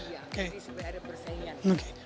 ya jadi sebenarnya persaingan